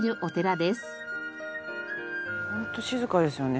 ホント静かですよね。